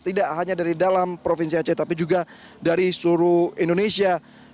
tidak hanya dari dalam provinsi aceh tapi juga dari seluruh indonesia